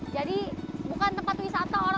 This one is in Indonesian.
jadi bukan tempat wisata